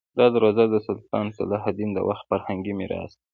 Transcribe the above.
دا دروازه د سلطان صلاح الدین د وخت فرهنګي میراث دی.